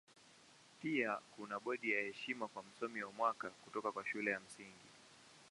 Pia kuna bodi ya heshima kwa Msomi wa Mwaka kutoka kwa Shule ya Msingi.